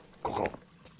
ここ。